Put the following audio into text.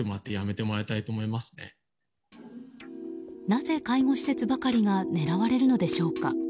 なぜ介護施設ばかりが狙われるのでしょうか。